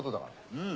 うん。